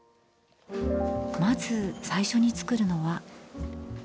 まず、最初に作るのは。